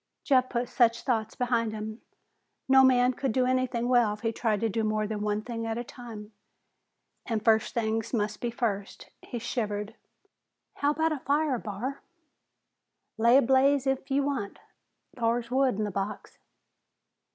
Jeff put such thoughts behind him. No man could do anything well if he tried to do more than one thing at a time, and first things must be first. He shivered. "How about a fire, Barr?" "Lay a blaze if'n ye want. Thar's wood in the box."